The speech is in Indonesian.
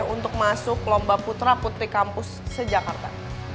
untuk masuk lomba putra putri kampus sejakarta